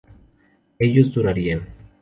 ellos dudarían